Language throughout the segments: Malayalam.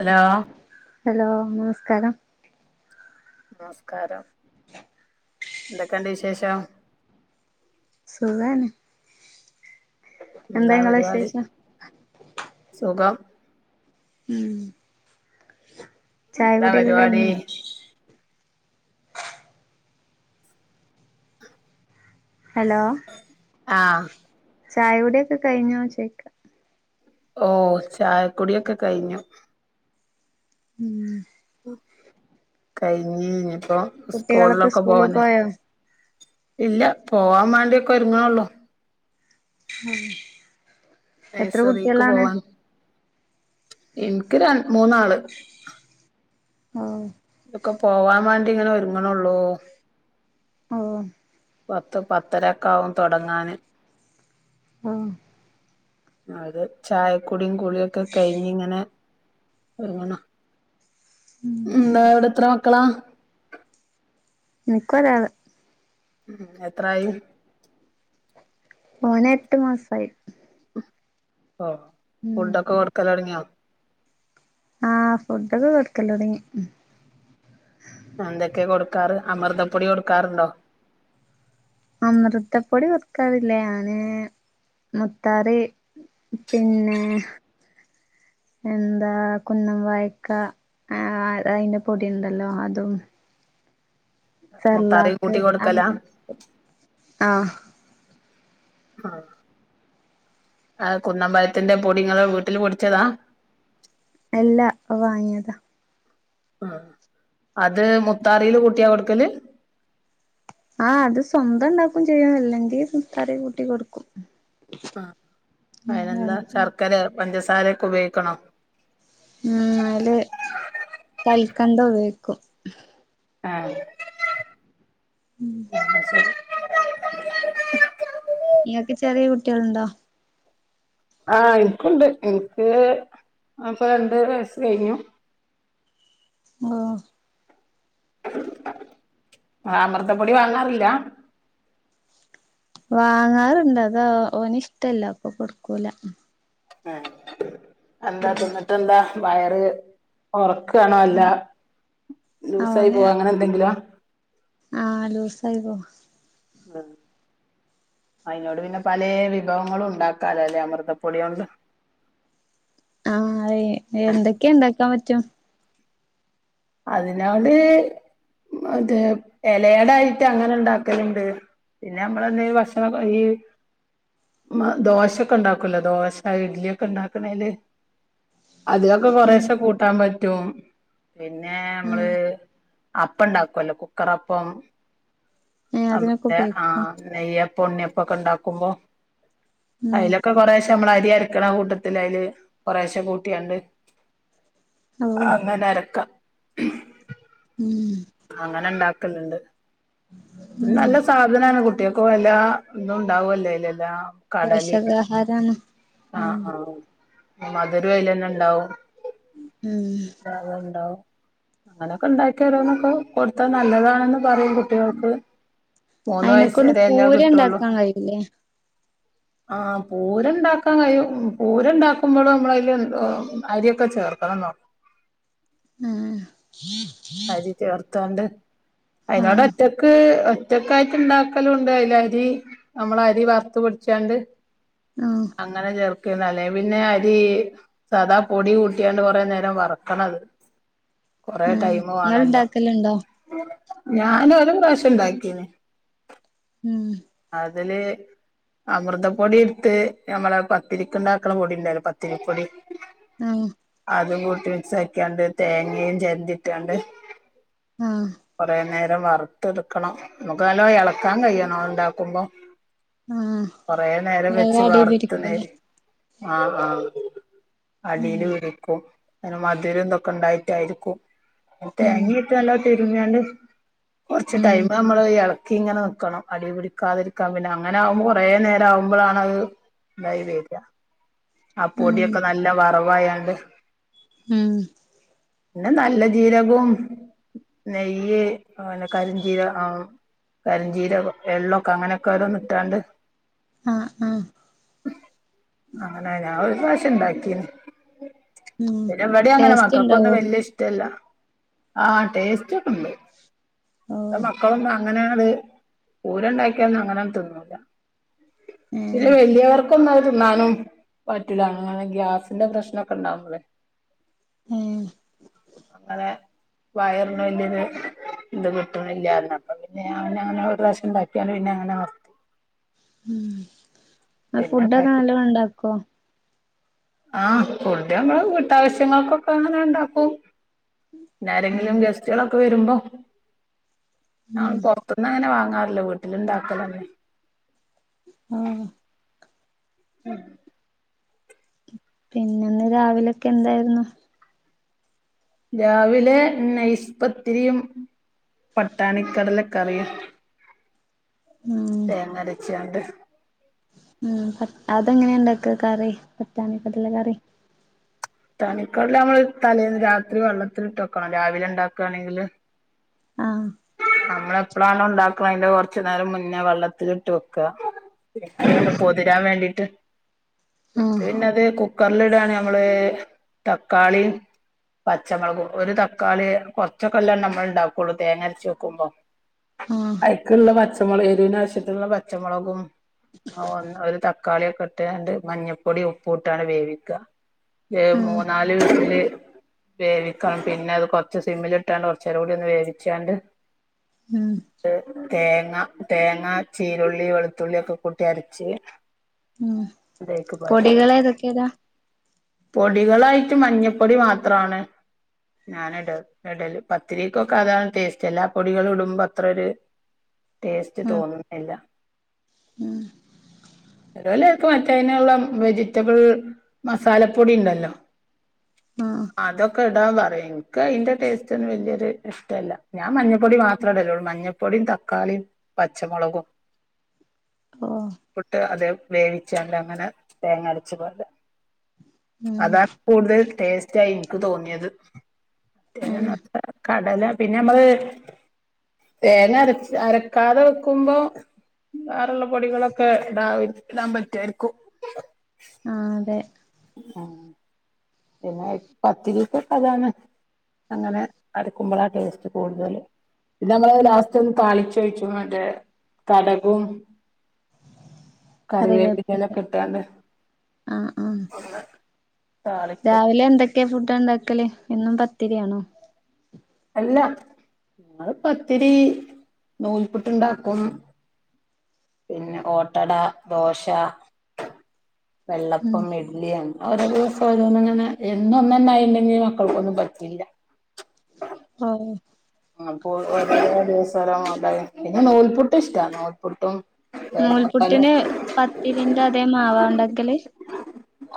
ഹലോ ഹലോ നമസ്കാരം നമസ്കാരം എന്തൊക്കെയുണ്ട് വിശേഷം സുഖാണെ എന്തേ എന്താ നിങ്ങളെ പരിപാടി വിശേഷം? സുഖം ഉം ചായ എന്താ കുടിയെല്ലാം പരിപാടി കഴിഞ്ഞ് ഹലോ ആഹ് ചായകുടിയൊക്കെ കഴിഞ്ഞോ ചോയ്ക്ക ഓ ചായ കുടിയൊക്കെ കഴിഞ്ഞു ഉം കഴിഞ്ഞ് ഇനിപ്പോ കുട്ടികളൊക്കെ സ്കൂള്ളൊക്ക സ്കൂളിൽ പോവാനെ പോയോ ഇല്ല പോവാൻ മാണ്ടിയൊക്കെ ഒരുങ്ങണെള്ളോ ഉ എത്ര നഴ്സറിക്ക് കുട്ട്യാളാണ് പോവാൻ എനിക്ക് രണ് മൂന്നാള് ആഹ ഇതൊക്കെ പോവാൻ വേണ്ടി ഇങ്ങനെ ഒരുങ്ങണെള്ളൂ ഓ പത്ത് പത്തരക്കാകും തൊടങ്ങാന് ആഹ അത് ചായക്കൊടിയും കുളിയൊക്കെ കഴിഞ്ഞിങ്ങനെ ഒരുമണ ഉം ന്താ ഇവിടെ എത്ര മക്കളാ നിക്കൊരാള് ഉം എത്രായി ഓനെട്ടുമാസായി ഓ ഫുഡൊക്കെ കൊടുക്കലോടുങ്യോ ആഹ് ഫുഡൊക്കെ കൊടുക്കലൊട്ങ്ങി എന്തൊക്കെ കൊടുക്കാറ് അമൃതപ്പൊടി കൊടുക്കാറുണ്ടോ അമൃതപ്പൊടി കൊറക്കാറില്ലേ ആന് മുത്താറി പിന്നെ എന്താ കുന്നം വായക്ക ആ അയിന്റെ പൊടി ഉണ്ടല്ലോ അതും മുത്താറിയും സെർലാക്ക് കൂട്ടി കൊടുക്കലാ അങ്ങന ആഹ ആഹ ആ കുന്നമ്പയത്തിന്റെ പൊടിങ്ങെൾ വീട്ടിൽ പൊടിച്ചതാ എല്ലാ അഉ വാങ്ങിയതാ അത് മുത്താറിയില് കൂട്ടിയാ കൊടുക്കല് ആഹ് അത് സ്വന്തം ഉണ്ടാക്കും ചെയ്യും അല്ലെങ്കിൽ മുത്താറി കൂട്ടി കൊടുക്കും ആ ഉം അതിനെന്താ വേണ്ട ശർക്കരെ പഞ്ചസാരൊക്കെ ഉപയോഗിക്കണം കണ്ട വോയ്‌ക്കും ആഹ ഉം നിങ്ങക്ക് ചെറിയ കുട്ടികൾണ്ടോ ആഹ എനിക്കുണ്ട് എനിക്ക് അപ്പൊ രണ്ട് വയസ് കഴിഞ്ഞു ആഹ് ആ അമൃതപ്പൊടി വാങ്ങാറില്ല? വാങ്ങാറുണ്ട് അതാ ഓന് ഇഷ്ടല്ലോ അപ്പൊ കൊടുക്കൂല ഏ എന്താ തിന്നിട്ടെന്താ വയറ് ഓർ ണല്ല ഉം ലൂസായി പോവാ അങ്ങനെന്തെങ്കിലാ ആഹ ലൂസായി പോ ആ. അയിനോട് പിന്ന പലേ വിഭവങ്ങളും ഉണ്ടാക്കാലോലെ അമൃതപ്പൊടിയോണ്ട്. ആ എ എന്തൊക്ക്യ ഇണ്ടാക്കാൻ പറ്റാ? അതിനോട് മറ്റേ ഇലയടായിട്ട് അങ്ങനെ ഇണ്ടാക്കല്ണ്ട്. പിന്നെ ഞമ്മള് എന്തോല് ഭക്ഷണ, ഈ മ് ദോശൊക്കെണ്ടാക്കൂലോ ദോശ ഇഡ്ല്യാെക്കെ ഇണ്ടാക്കണേല് അതിലൊക്കെ ഉം കൊറേശെ കൂട്ടാൻ പറ്റും. പിന്നെ, ഉം അമ്മള് അപ്പം ഇണ്ടാക്കുല്ലോ കുക്കറപ്പം. ഏഹ് അ അതിനൊക്കെ ആ ഉപയോഗിക്കും നെയ്യപ്പം ഉണ്ണിയപ്പൊക്കെണ്ടാക്കുമ്പോ ഉം അയിലൊക്കെ കൊറേശെ അമ്മള് [unintelligible] കൂട്ടത്തിലയില് കൊറെശെ കൂട്ട്യാണ്ട് ഓഹ് അങ്ങനെ അരക്ക. ഉം അങ്ങനെ ഇണ്ടാക്കല്ണ്ട്. ഉം നല്ല സാധനാണ്, കുട്ട്യേക്കും എല്ലാ തും ഇണ്ടാവല്ലോ അയില് എല്ലാ കടലിം, പോഷകാഹാരാണ് ആ ഉം ആ. മധുരൂം അയിലന്നെണ്ടാവും ഉം [unintelligible] ഇണ്ടാവും. അങ്ങനൊക്കെണ്ടാക്കി ഓരോന്നൊക്കെ കൊടുത്താ നല്ലതാണെന്ന് പറയും, കുട്ട്യേൾക്ക് മൂന്ന് വയസ് അയിനെക്കൊണ്ട് വരെല്ലൂ പൂര കിട്ടോള്ളു. ഇണ്ടാക്കാൻ കഴിയൂലേ ആ പൂരണ്ടാക്കാൻ കയിയും, പൂരണ്ടാക്കുമ്പോളും അമ്മളയില് അര്യൊക്കെ ചേർക്കണംന്നോ ഉം. ത്താണ്ട് അയിനോണ്ട് ഒറ്റക്ക് ഒ ഒറ്റക്കായിട്ട് ഇണ്ടാക്കലൂണ്ട്, അയില് അരി അമ്മള് അരി വറുത്ത് പൊടിച്ചാണ്ട് ആഹ് അങ്ങനെ ചേർ അല്ലേ പിന്ന അരി സാദാ പൊടി കൂട്ടിയാണ്ട് കൊറേ നേരം വറക്കണത്. കൊറെ ആഹ് ടൈമൂ ഇങ്ങള് ആണല്ലോ. ഇണ്ടാക്കല്ണ്ടോ ഞാന് ഒരു പ്രാവശ്യം ഇണ്ടാക്കീന്. ഉം. അതില് അമൃതപ്പൊടി എട്ത്ത് ഞമ്മളെ പത്തിരിക്ക്ണ്ടാക്ക്ണ പൊടി ഇണ്ടല്ലോ പത്തിരിപ്പൊടി ആഹ് അതും കൂട്ടി മിക്സാക്കിയാണ്ട് തേങ്ങേം ചെരണ്ടിട്ടാണ്ട് ആഹ് കൊറേ നേ വറുത്ത് എടുക്കണം, അമ്മക്ക് നല്ലോ എളക്കാൻ കയ്യണം ഇണ്ടാക്കുമ്പോ ആഹ് കൊറേ നേരം വെച്ച് വേഗം വർത്ത് അടീപിടിക്കുല്ലേ നേര് ആ ആ ഉം അടീല് പിടിക്കും. അങ്ങനെ മധുരുതൊക്കെ ഇണ്ടായിട്ടായിരിക്കും, ഉം തേങ്ങീട്ട് നല്ല തിരുഞ്ഞാണ്ട് കൊറച്ച് ഉം ടൈമ് അമ്മള് ക്കി ഇങ്ങനെ നിക്കണം അടീ പിടിക്കാതിരിക്കാൻ പിന്നെ അങ്ങനാകുമ്പോ കൊറേ നേരം ആവുമ്പൊളാണ് അത് [unintelligible] വരിയാ ആ ഉം പൊട്യൊക്കെ നല്ല വറവായാണ്ട് ഉം. പിന്നെ നല്ല ജീരകും, നെയ്യ് പിന്നെ കരിഞ്ജീരകം ആ കരിഞ്ചീരകം എള്ളൊക്കെ അങ്ങനൊക്കോരോന്നിട്ടാണ്ട് ആ ആ. അങ്ങനെ ഞാ ഒരു പ്രാശ്യം ഇണ്ടാക്കിനീ ഉം പിന്നെ ഇവിടീം അങ്ങനെ ടേസ്റ്റ് ഇണ്ടാവോ മക്കക്കൊന്നും വെല്ല്യ ഇഷ്ടല്ല്യ. ആ ടേസ്റ്റ് ഒക്കണ്ട്, ഓഹ് മക്കളൊന്നൂ അങ്ങനേ പൂരണ്ടാക്കിയന്ന് അങ്ങനൊന്നൂ തിന്നൂല, ഏഹ് പിന്നെ വല്ല്യവർ [inaudible] തിന്നാനും പറ്റ്ല അങ്ങനെ ഗ്യാസ്ന്റെ പ്രശ്നൊക്കെ ഇണ്ടാവുമ്പൊളേ ഏഹ് [inaudible] വയറിന് വല്യൊരു ഇത് കിട്ട്ണില്ലാ പറഞ്ഞു അപ്പ പിന്നെ [unintelligible] അങ്ങനെ ഒരു പ്രാവശ്യം ഇണ്ടാക്കി പിന്നെ അങ്ങനെ നിർത്തി ഉം പിന്നെ ഫുഡൊക്കെ നല്ലണം ഉണ്ടാക്കിട്ടില്ല ഇണ്ടാക്കോ ആഹ് പൂതിയാകുമ്പോ വീട്ടാവശ്യങ്ങൾക്കൊക്കെ അങ്ങനെ ഇണ്ടാക്കും പിന്നെ ഉം ആരെങ്കിലും ഗസ്റ്റുകളൊക്കെ വരുമ്പോ ഉം ഞങ്ങൾ പൊറത്ത്ന്ന് അങ്ങനെ വാങ്ങ ങ്ങാറില്ല. വീട്ടില് ഇണ്ടാക്കലന്നേ ആഹ് [inaudible] പിന്നെന്ന് രാവിലൊക്കെ എന്തായിരുന്നു രാവിലെ നൈസ്പത്തിരിയും പട്ടാണിക്കടല കറിയും ഉം തേങ്ങ അരച്ച്ങ്ങാണ്ട് ഉം പ അതെങ്ങനെയ ഇണ്ടാക്ക കറി പട്ടാണി കടല ക്കറി പട്ടാണി ക്കടല നമ്മള് തലേന്ന് രാത്രി വെള്ളത്തിലിട്ട് വെക്കണം രാവിലെ ഇണ്ടാക്കാണെങ്കില് ആഹ് നമ്മള് എപ്പളാണ് ഉണ്ടാക്ക്ണ്‌ അതിന്റെ കൊറച്ചു നേരം മുന്നേ വെള്ളത്തിൽ ഇട്ട് വെക്ക ആഹ് പൊതിരാൻ വേണ്ടിട്ട് ന്നിട്ട് ആഹ് പിന്നെത് കുക്കറിലിടാണ് ഞമ്മള് തക്കാളീം പച്ചമൊളകും ഒരു തക്കാളി കുറച്ചൊക്കെല്ലേ നമ്മള് ഉണ്ടാക്കുള്ളൂ തേങ്ങ അരച്ച് ട്ട് വെക്കുമ്പോ ആഹ് അയ്ക്കുള്ള പച്ചമുളക് എരുവിന് ആവശ്യത്തിനുള്ള പച്ചമുളകും ആ ഒന്ന് ഒരു തക്കാളിയൊക്കെ ഇട്ട്ങ്ങാണ്ട് മഞ്ഞപ്പൊടി ഉപ്പും ഇട്ടാണ് വേവിക്ക ഏ ആഹ് മൂന്നാല് വിസില് വേവിക്കണം പിന്നെ അത് കൊറച്ച് സിമ്മിലിട്ടാണ്ട് കുറചെരം കൂടി ഒന്ന് വേവിച്ചാണ്ട് ഉം തേങ്ങ തേങ്ങ ചീരുള്ളി വെളുത്തുള്ളി ഒക്കെ കൂട്ടി അരച്ച് ഉം അതേക്ക് പാരും പൊടികള് ഏതൊക്കെ ഇടാ പൊടികളായിട്ട് മഞ്ഞപ്പൊടി മാത്രാണ് ഞാൻ ഇട ഇടല് പത്തിരിക്കൊക്കെ അതാണ് ടേസ്റ്റ് എല്ലാ പൊടികളും ഇടുമ്പോ അത്രൊരു ടേസ്റ്റ് ഉം തോന്നുന്നില്ല ഉം ഇപ്പൊ മറ്റേ അയ്നുള്ള വെജിറ്റബിൾ മസാലപ്പൊടി ഇണ്ടല്ലോ ആഹ് ആ അതൊക്കെ ഇടാ പറയും എനിക്ക് അയ്ന്റെ ടേസ്റ്റൊന്നും വലിയൊരു ഇഷ്ടല്ല ഞാൻ മഞ്ഞപ്പൊടി മാത്രേ ഇടലൊള്ളൂ മഞ്ഞപ്പൊടിയും തക്കാളിയും പച്ചമുളകും ഓഹ് ഉപ്പ്ട്ട് അത് വേവിച്ചാണ്ട് അങ്ങനെ തേങ്ങരച്ച് പാര ഉം അതാണ് കൂടുതൽ ടേസ്റ്റായി ഇൻക് തോന്നിയത് മറ്റേതൊന്നും ഏഹ് അത്ര കടല പിന്നെ അമ്മള് തേങ്ങ അരച്ച് അരക്കാതെ വെക്കുമ്പോ വേറെള്ള പൊടികളൊക്കെ ഇടാ ഇടാൻ പറ്റുവായിരിക്കും ആഹ് അതെ ആ പിന്നെ പത്തിരീക്കൊക്കെ അതാണ് അങ്ങനെ അരക്കുമ്പളാ ടേസ്റ്റ് കൂടുതല് പിന്നെ നമ്മള് ഉം ലാസ്റ്റ് ഒന്ന് താളിച്ച് ഒഴിച്ചും മറ്റേ കടകും കറിവേപ്പിന്റല കറിവേപ്പൊക്കെ ഒക്കെ ഇട്ടാണ്ട് ആഹ് ആഹ് താളിക്കും രാവിലെ എന്തൊക്കെ ഫുഡാ ഉണ്ടാക്കല് എന്നും പത്തിരിയാണോ അല്ല അത് പത്തിരി നൂൽപ്പുട്ടുണ്ടാക്കും പിന്നെ ഓട്ടട ദോശ ഉം വെള്ളപ്പം ഇഡ്ലി അങ്ങനെ ഓരോ ദിവസം ഓരോന്നങ്ങനെ എന്നും ഒന്നന്നായിണ്ടെങ്കി മക്കൾക്കൊന്നും പറ്റില്ല [inaudible] ആ അപ്പൊ ഓരോരോ [unintelligible] പിന്നെ നൂൽപുട്ട് ഇഷ്ട നൂൽപുട്ടും തേങ്ങാപ്പാലും നൂൽപുട്ടിന് പത്തിരിന്റെ അതേ മാവ ഉണ്ടക്കല്ല്?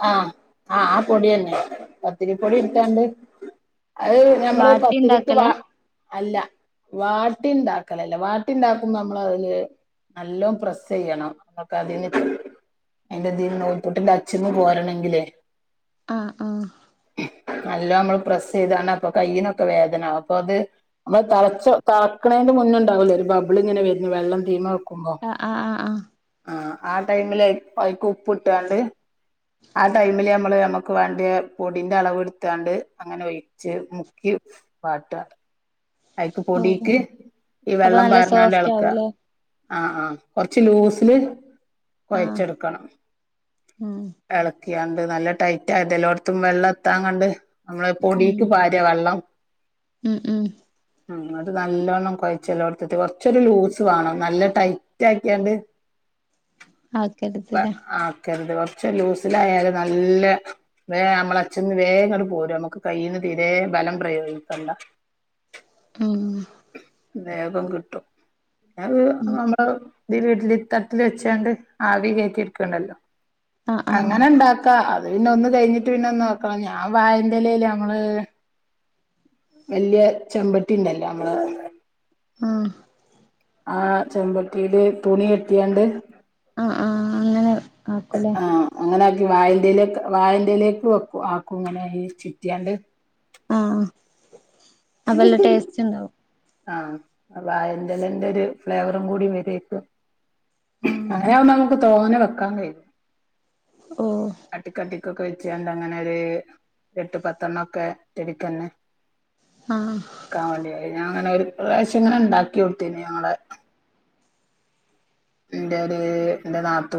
അ ആ പൊടിയന്നെ പത്തിരി പൊടി ഇട്ടാണ്ട് അയ് ഞമ്മള് വാട്ടി പത്തിരിക്ക് വാ ഉണ്ടാക്കലാ അല്ല വാ ട്ടിണ്ടാക്കലല്ലാ വാട്ടി ഉണ്ടാക്കുമ്പോ നമ്മള് അതില് നല്ലോം പ്രെസ്സ് ചെയ്യണം [unintelligible] നൂൽപ്പുട്ടിന്റ അ ച്ചെന്ന് പോരണെങ്കിലെ ആ ആ നല്ലോം മ്മള് പ്രെസ്സ് ചെയ്തണ്ട് അപ്പോ കൈനൊക്കെ വേദന അപ്പൊ അത് നമ്മള് തളച്ചോ കളക്കണ്ണേന് മുൻ [unintelligible] ഉണ്ടാവൂലേ ഒരു ബബിളിങ്ങെനെ വരുന്നു വെള്ള തീമാ ആ ആ ആ ആ ടൈമില് അഴിക്ക് ഉപ്പ് ഇട്ടാണ്ട് ആ ടൈമില് നമ്മള് നമ്മ ക്ക് വേണ്ടിയ പൊടിന്റെ അളവ് എടുത്താണ്ട് അങ്ങനെ ഒഴിച്ച് മുക്കി വാട്ടാ അഴിക്ക് ഓ പൊടീക്ക് ഈ അപ്പൊ വെള്ളം നല്ല പകർന്നാണ്ട് സോഫ്റ്റ് എളക്ക ആവുംല്ലേ ആ ആ കൊറച്ച് ലൂസില് ആഹ് കൊയച്ചെടുക്കണം ഉം എള ക്യാണ്ട് നല്ല ടൈറ്റായിട്ട് എലോടത്തും വെള്ളേത്താൻ കണ്ട് നമ്മള് പൊടിയിട്ട് ഉം പാര്യ വെള്ളം ഉം ഉം ഉം അത് നല്ലോണം കൊഴച്ച് എല്ലാടത്ത് കൊറച്ചൊരു ലൂസ് വാണം നല്ല ടൈറ്റ് ആക്കിയാണ്ട് ആക്കരുതലെ കൊറച്ച് ലൂസിലായാലും നല്ല വേയം നമ്മള് അച്ന്ന് വേഗം ഇങ്ങ്ട് പോരും നമുക്ക് കൈ ഇതേ ബലം പ്രയോഗിക്കണ്ട മ് വേഗം കിട്ടും ഉം [unintelligible] ഇതി ഇഡലി തട്ടില് വെചാണ്ട് ആവി കെറ്റി എടുക്കണ്ടല്ലോ ആഹ് ആഹ് അങ്ങനെ ഇണ്ടാക്കാ അത് പിന്നെ ഒന്ന് കയിഞ്ഞിട്ട് പിന്നൊന്ന് വെക്കണം ഞാൻ വാഴിന്റെ എലേല് ഞങ്ങള് വല്യ ചെമ്പട്ടി ഇണ്ടല്ലോ നമ്മള് ആ ആ ചെമ്പട്ടിയില് തുണി കെട്ടിയാണ്ട് ആ ആ അങ്ങനെ ആക്കൂലേ ആ അങ്ങനെ വാഴിന്റെ ഇലേക്ക് വാഴിന്റെ ഇലേക്ക് വെക്ക ആക്കും ഇങ്ങനെ ചുറ്റിയാണ്ട് ആ അത് നല്ല ടേസ്റ്റ് ഇണ്ടാവും ആ അവാഴിന്റെലെന്റോരു ഫ്ലേവറും കൂടി വെരിക്കും ആഹ് അങ്ങനെയവുമ്പം നമുക്ക് തോന്നെം വെക്കാൻ കയിയും ഓ അടിക്കടി [unintelligible] വെച്ചാണ്ട് അങ്ങനൊര് എട്ട് പത്തണ്ണോക്കേ ഒറ്റടിക്കന്നെ ആഹ് കാ വേണ്ടിയ ഞാൻ അങ്ങനെ ഒരു പ്രാശ്യം ഇങ്ങനെ ഒണ്ടാക്കിയൊക്കി ഞങ്ങളെ നിന്റെയാര് നിന്റെ നാത്തൂ